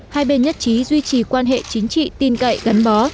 hai bên nhất trí duy trì quan hệ chính trị tin cậy gắn bó